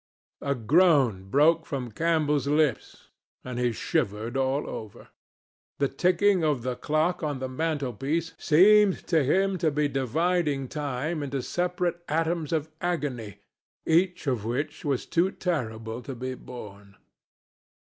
A groan broke from Campbell's lips and he shivered all over. The ticking of the clock on the mantelpiece seemed to him to be dividing time into separate atoms of agony, each of which was too terrible to be borne.